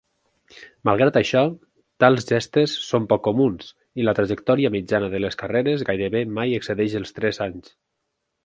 Malgrat això, tals gestes són poc comuns, i la trajectòria mitjana de les carreres gairebé mai excedeix els tres anys.